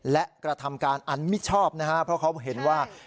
และกระทำการอันมิชอบนะครับเพราะเขาเห็นว่า